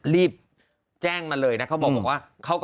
รีบแจ้งมาเลยนะเขาบอกว่า